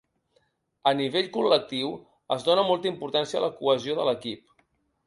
A nivell col·lectiu, es dóna molta importància a la cohesió de l’equip.